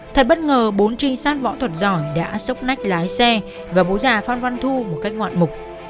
thật bất ngờ bốn trinh sát võ thuật giỏi đã sốc nách lái xe và bố già phan văn thu một cách ngoạn mục